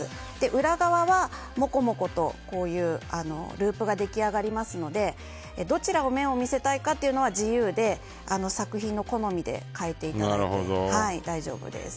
裏側は、もこもことループが出来上がりますのでどちらの面を見せたいかというのは自由で作品の好みで変えていただいて大丈夫です。